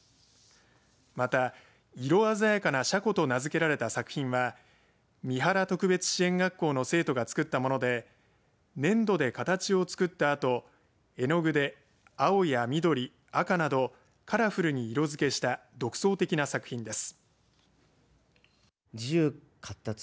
また、色鮮やかなシャコと名付けられた作品は三原特別支援学校の生徒が作ったもので粘土で形を作ったあと絵の具で青や緑赤などカラフルに色づけした独創的な作品です。